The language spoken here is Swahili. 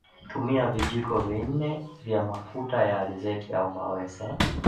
Tumia vijiko vi nne vya mafuta ya alizeti au mawese